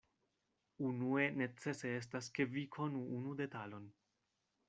Unue necese estas, ke vi konu unu detalon.